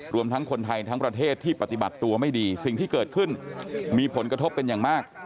รวมทั้งคนไทยทั้งประเทศที่ปฏิบัติตัวไม่ดีสิ่งที่เกิดขึ้นมีผลกระทบเป็นอย่างมาก